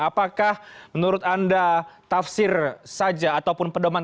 apakah menurut anda tafsir saja ataupun perdoman itu